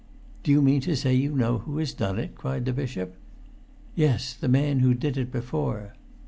"Do you mean to say you know who has done it?" cried the bishop. "Yes—the man who did it before."